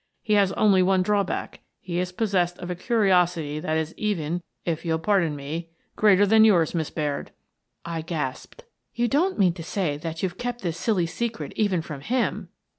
He has only one drawback: he is possessed of a curiosity that is even — if you'll pardon me — greater than yours, Miss Baird." I gasped. "You don't mean to say that you've kept this silly secret even from him